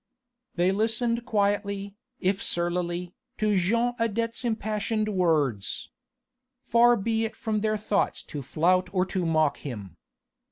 They listened quietly, if surlily, to Jean Adet's impassioned words. Far be it from their thoughts to flout or to mock him.